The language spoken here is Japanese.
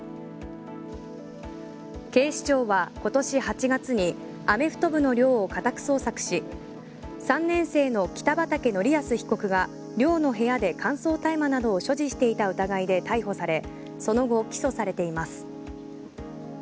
警視庁は今年８月にアメフト部の寮を家宅捜索し３年生の北畠成文被告が寮の部屋で乾燥大麻などを所持していた疑いで逮捕されその後、起訴されています。